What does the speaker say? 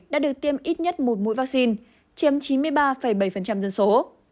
đã được tiêm ít nhất một mũi vaccine chiếm chín mươi ba bảy dân số